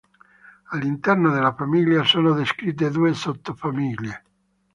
All'interno della famiglia sono descritte due sottofamiglie.